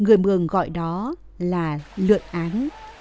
người mường gọi đó là lượn án